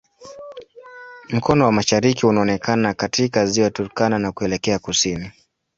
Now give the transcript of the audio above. Mkono wa mashariki unaonekana katika Ziwa Turkana na kuelekea kusini.